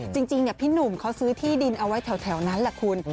จริงพี่หนุ่มเขาซื้อที่ดินเอาไว้แถวนั้นแหละคุณ